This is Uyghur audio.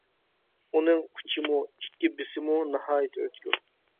ئۇنىڭ ئۇچىمۇ، ئىككى بىسىمۇ ناھايىتى ئۆتكۈر.